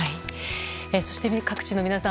そして各地の皆さん